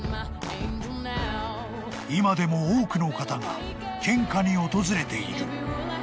［今でも多くの方が献花に訪れている］